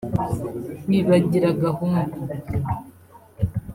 l bagira gahunda